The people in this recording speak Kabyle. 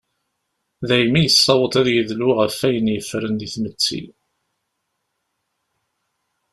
Daymi yessaweḍ ad d-yedlu ɣef ayen yeffren deg tmetti.